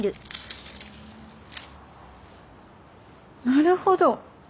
なるほど。